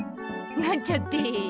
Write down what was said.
なんちゃって。